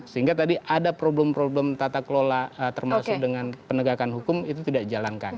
sehingga tadi ada problem problem tata kelola termasuk dengan penegakan hukum itu tidak dijalankan